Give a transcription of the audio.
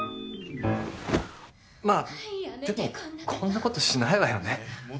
まあでもこんなことしないわよね